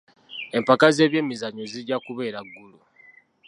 Empaka z'ebyemizannyo zijja kubeera Gulu.